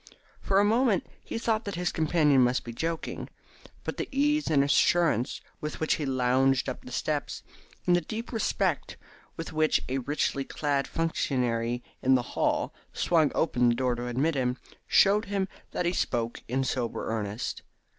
For a moment he thought that his companion must be joking, but the ease and assurance with which he lounged up the steps, and the deep respect with which a richly clad functionary in the hall swung open the door to admit him, showed that he spoke in sober earnest.